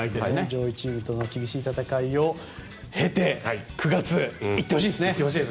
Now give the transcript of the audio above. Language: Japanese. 上位チームとの厳しい戦いを経ていってほしいですね。